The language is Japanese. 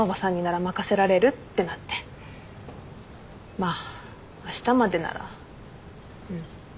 まああしたまでならうん。